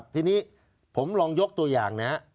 ทีนี้ผมลองยกตัวอย่างนะ